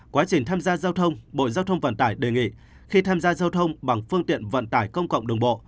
quá trình tham gia giao thông bộ giao thông vận tải đề nghị khi tham gia giao thông bằng phương tiện vận tải công cộng đường bộ